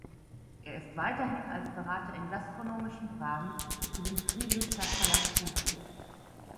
Er ist weiterhin als Berater in gastronomischen Fragen für den Friedrichstadtpalast tätig.